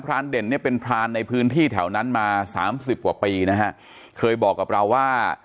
รานเด่นเนี่ยเป็นพรานในพื้นที่แถวนั้นมาสามสิบกว่าปีนะฮะเคยบอกกับเราว่า